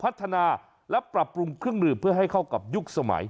พัฒนาและปรับปรุงเครื่องดื่มเพื่อให้เข้ากับยุคสมัย